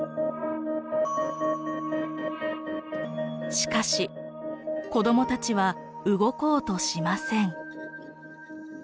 しかし子どもたちは動こうとしません。